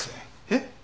えっ？